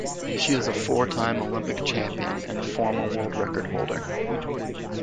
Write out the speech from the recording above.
She is a four-time Olympic champion and a former world record-holder.